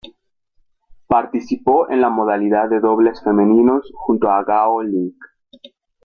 Participó en la modalidad de Dobles femeninos junto a Gao Ling.